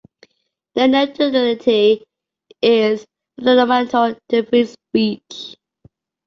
Net neutrality is fundamental to free speech.